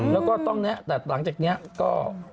แล้วก็ต้องแนะแต่หลังจากนี้ก็